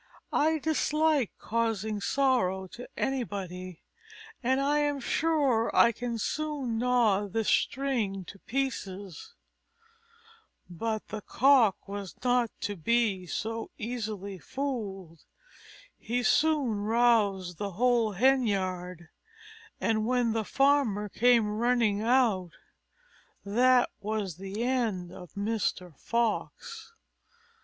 I dislike causing sorrow to anybody, and I am sure I can soon gnaw this string to pieces." But the Cock was not to be so easily fooled. He soon roused the whole hen yard, and when the Farmer came running out, that was the end of Mr. Fox.